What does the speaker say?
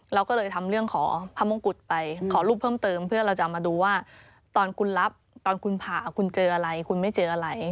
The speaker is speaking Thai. เราก็เลยทำเรื่องขอพระมงกุฎไปขอรูปเพิ่มเติมเพื่อเราจะมาดูว่าตอนคุณรับตอนคุณผ่าคุณเจออะไรคุณไม่เจออะไร